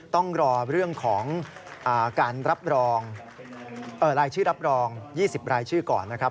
ต้องรอเรื่องของการรับรองรายชื่อรับรอง๒๐รายชื่อก่อนนะครับ